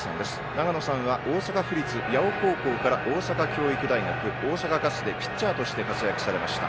長野さんは大阪府立八尾高校から大阪教育大学大阪ガスでピッチャーとして活躍されました。